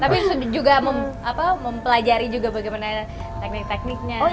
tapi juga mempelajari juga bagaimana teknik tekniknya